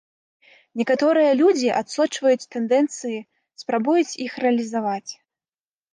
Некаторыя людзі адсочваюць тэндэнцыі спрабуюць іх рэалізаваць.